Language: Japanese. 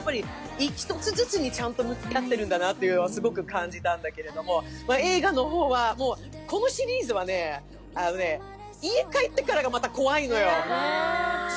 １つずつにちゃんと向き合っているなというのはすごく感じたんだけれども、映画の方は、このシリーズは家に帰ってからがまた怖いのよ。